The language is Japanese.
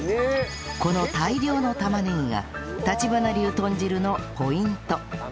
この大量の玉ねぎがたちばな流豚汁のポイント！